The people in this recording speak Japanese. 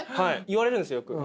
言われるんですよよく。